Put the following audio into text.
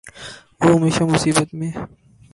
وہ ہمیشہ مصیبت میں